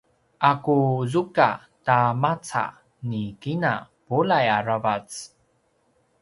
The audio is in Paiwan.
a ku zuga ta maca ni kina bulai aravac